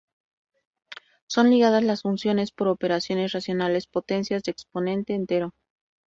Son ligadas las funciones por operaciones racionales, potencias de exponente entero.